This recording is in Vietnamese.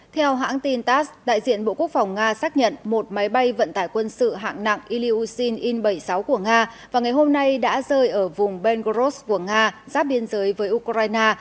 theo hãng tin tass đại diện bộ quốc phòng nga xác nhận một máy bay vận tải quân sự hạng nặng ilyushin in bảy mươi sáu của nga và ngày hôm nay đã rơi ở vùng ben goros của nga giáp biên giới với ukraine